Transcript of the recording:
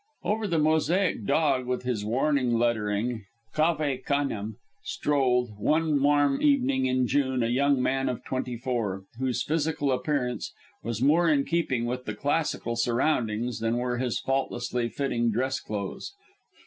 Over the mosaic dog with his warning lettering, "Cave Canem," strolled, one warm evening in June, a young man of twenty four, whose physical appearance was more in keeping with the classical surroundings than were his faultlessly fitting dress clothes.